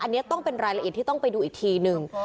อันนี้ต้องเป็นรายละเอียดที่ต้องไปดูอีกทีนึง